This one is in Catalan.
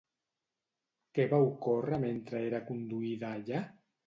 Què va ocórrer mentre era conduïda allà?